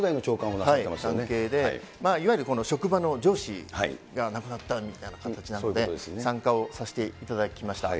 関係で、いわゆる職場の上司が亡くなったみたいな形なので、参加をさせていただきました。